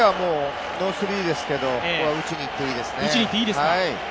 ノースリーですけど、ここは打ちにいっていいですね。